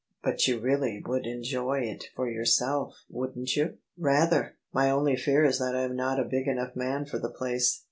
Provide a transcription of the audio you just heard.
"But you really would enjoy it for yourself, wouldn't you?" " Rather! My only fear is that I am not a big enough man for the place."